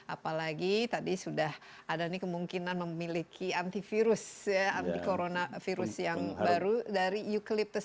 apalagi tadi sudah ada ini kemungkinan memiliki antivirus anti corona virus yang baru dari eukaliptus